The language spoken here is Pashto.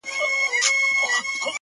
نن د هر گل زړگى په وينو رنـــــگ دى؛